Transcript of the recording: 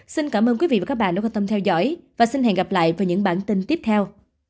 xin cảm ơn quý vị và các bạn đã quan tâm theo dõi và xin hẹn gặp lại vào những bản tin tiếp theo